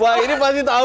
mbak aini pasti tahu